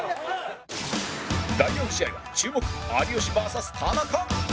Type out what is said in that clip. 第４試合は注目有吉 ＶＳ 田中